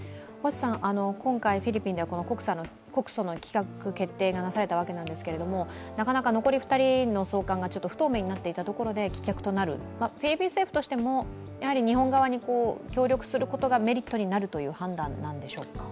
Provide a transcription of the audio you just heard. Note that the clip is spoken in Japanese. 今回、フィリピンでは告訴の棄却決定がなされたわけですが、なかなか残り２人の送還が不透明になっていたところで棄却となる、フィリピン政府としても日本側に協力することがメリットになるという判断なんでしょうか。